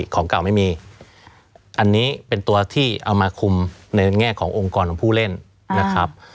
ของเก่าไม่มีอันนี้เป็นตัวที่เอามาคุมในแง่ขององค์กรของผู้เล่นนะครับ